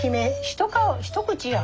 一口やん。